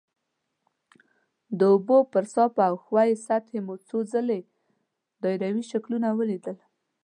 د اوبو پر صافه او ښویې سطحې مو څو ځلې دایروي شکلونه ولیدل.